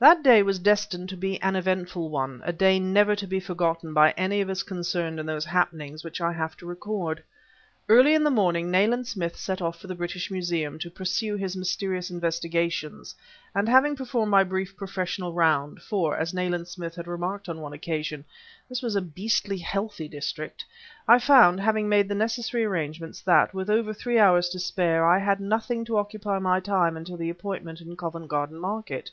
That day was destined to be an eventful one; a day never to be forgotten by any of us concerned in those happenings which I have to record. Early in the morning Nayland Smith set off for the British Museum to pursue his mysterious investigations, and having performed my brief professional round (for, as Nayland Smith had remarked on one occasion, this was a beastly healthy district), I found, having made the necessary arrangements, that, with over three hours to spare, I had nothing to occupy my time until the appointment in Covent Garden Market.